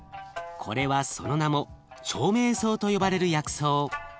これはその名も長命草と呼ばれる薬草。